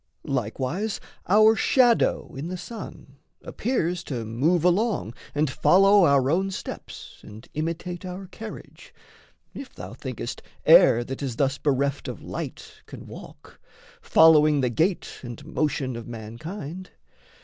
Likewise, our shadow in the sun appears To move along and follow our own steps And imitate our carriage if thou thinkest Air that is thus bereft of light can walk, Following the gait and motion of mankind.